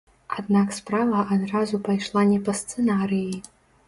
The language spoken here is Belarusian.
Аднак справа адразу пайшла не па сцэнарыі.